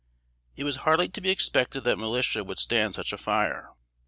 It was hardly to be expected that militia would stand such a fire.